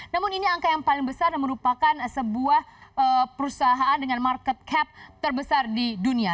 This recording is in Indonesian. namun ini angka yang paling besar dan merupakan sebuah perusahaan dengan market cap terbesar di dunia